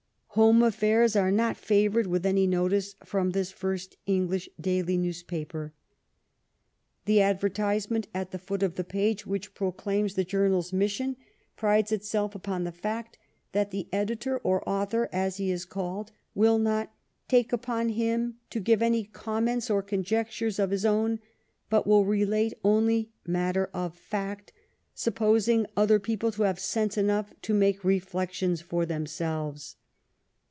Home affairs are not favored with any notice from this first English daily newspaper. The adver tisement at the foot of the page, which proclaims the journal's mission, prides itself upon the fact that the editor, or author, as he is called, will not ^' take upon him to give any Comments or Conjectures of his own, but will relate only Matter of Fact; supposing other People to have Sense enough to make Beflections for themselves."